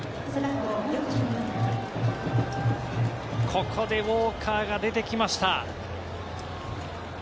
ここでウォーカーが出てきました。